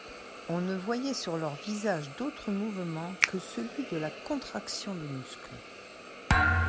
On ne voyait sur leurs visages d'autre mouvement que celui de la contraction des muscles.